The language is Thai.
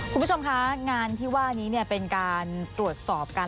คุณผู้ชมคะงานที่ว่านี้เป็นการตรวจสอบกัน